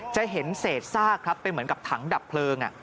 จะเห็นเศษซากครับเป็นเหมือนกับถังดับเพลิง